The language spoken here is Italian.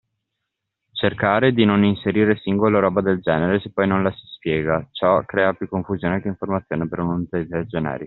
Cercare di non inserire sigle o roba del genere se poi non la si spiega, ciò crea più confusione che informazione per un utente generico.